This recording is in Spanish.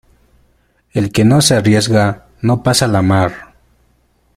El que no se arriesga no pasa la mar.